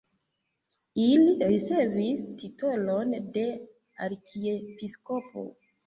Ili ricevis titolon de arkiepiskopo.